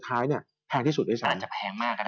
สุดท้ายแพงที่สุดภีร์